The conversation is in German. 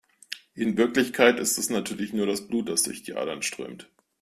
In Wirklichkeit ist es natürlich nur das Blut, das durch die Adern strömt.